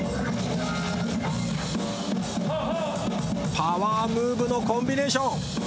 パワームーブのコンビネーション。